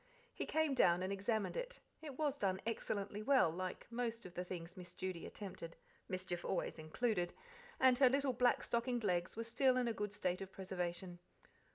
He came down and examined it: it was done excellently well, like most of the things miss Judy attempted mischief always included: and her little black stockinged legs were still in a good state of preservation.